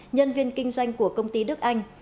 nhân viên kinh doanh của công ty đức anh